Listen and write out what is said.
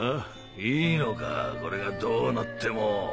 いいのかこれがどうなっても。